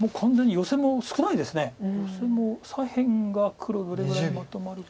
ヨセも左辺が黒どれぐらいまとまるか。